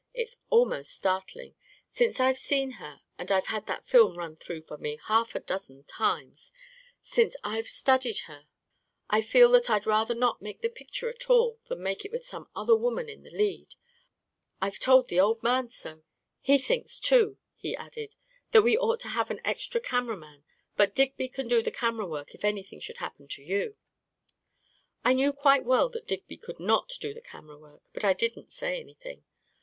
It's almost startling! Since I've seen her — and I've had that film run through for me half a dozen times — since I've studied her, I 4* A KING IN BABYLON 43 feel that I'd rather not make the picture at all than make it with some other woman in the lead. I've told the old man so. He thinks, too," he added, 11 that we ought to have an extra cameraman ; but Digby can do the camera work, if anything should happen to you." I knew quite well that Digby could not do the camera work, but I didn't say anything.